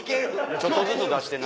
ちょっとずつ出してな。